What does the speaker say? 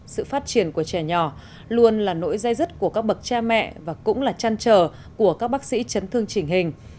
sự phát triển của trẻ nhỏ luôn là nỗi dây dứt của các bậc cha mẹ và cũng là chăn trở của các bác sĩ chấn thương chỉnh hình